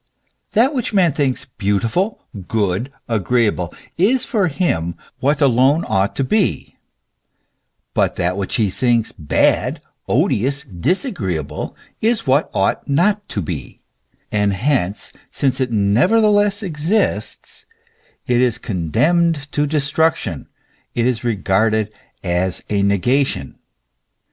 That which man thinks beautiful, good, agreeable, is for him what alone ought to be ; that which he thinks bad, odious, disagreeable, is what ought not to be, and hence, since it nevertheless exists, it is condemned to destruc THE CHRISTIAN HEAVEN. 177 tion, it is regarded as a negation.